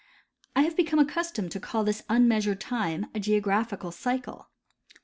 I have become accustomed to call this unmeasured time a geographical cycle.